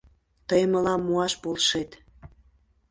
Тый мылам муаш полшет...